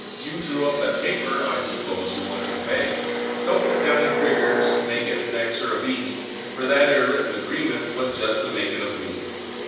You drew up that paper—I s'pose you want your pay. Don't cut down your figures; make it an X or a V; For that 'ere written agreement was just the makin' of me.